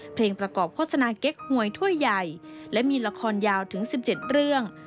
เพลงประกอบโฆษณาเก๊กหวยถ้วยใหญ่และมีละครยาวถึง๑๗เรื่อง